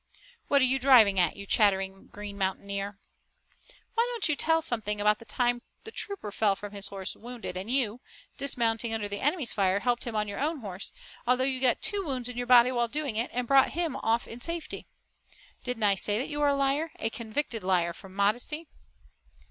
"What are you driving at, you chattering Green Mountaineer?" "Why don't you tell something about the time the trooper fell from his horse wounded, and you, dismounting under the enemy's fire, helped him on your own horse, although you got two wounds in your body while doing it, and brought him off in safety? Didn't I say that you were a liar, a convicted liar from modesty?"